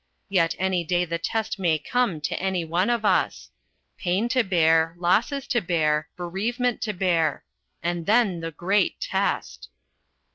Yet any day the test may come to any one of us pain to bear, losses to bear, bereavement to bear. And then the great test.